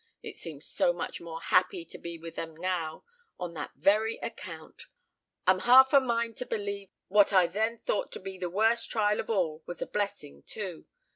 It seems so much more happy to be with them now, on that very account! I'm half a mind to believe what I then thought to be the worst trial of all, was a blessing, too.